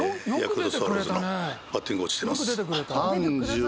今はヤクルトスワローズのバッティングコーチしてます。